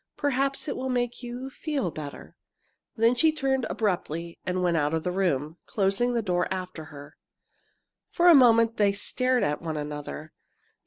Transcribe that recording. "Perhaps it will make you feel better." Then she turned abruptly and went out of the room, closing the door after her. For a moment they stared at one another.